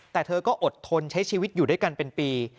แต่เธอก็อดทนใช้ชีวิตอยู่ด้วยกันเป็นปี